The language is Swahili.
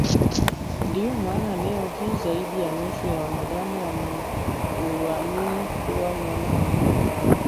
Ndiyo maana leo hii zaidi ya nusu ya wanadamu wanamuamini kuwa Mwana wa Mungu